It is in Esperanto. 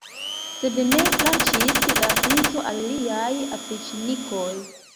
Sed ne plaĉis la princo al liaj opriĉnikoj.